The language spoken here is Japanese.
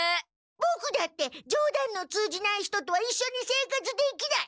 ボクだってじょうだんの通じない人とはいっしょに生活できない。